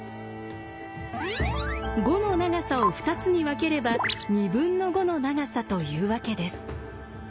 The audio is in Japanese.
５の長さを２つに分ければ２分の５の長さというわけです。